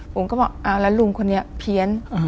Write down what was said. บุ๋มก็บอกเอาละลุงคนนี้เพีย้น